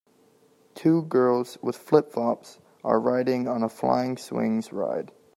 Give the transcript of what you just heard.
Two girls with flipflops are riding on a flying swings ride.